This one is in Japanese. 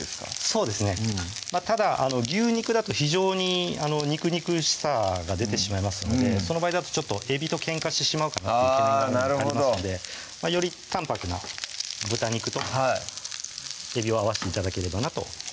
そうですねただ牛肉だと非常に肉肉しさが出てしまいますのでその場合だとちょっとえびとけんかしてしまうかなっていう懸念がありますのでより淡泊な豚肉とえびを合わして頂ければなと思いますね